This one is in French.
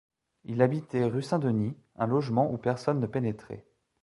Il habitait, rue Saint-Denis, un logement où personne ne pénétrait.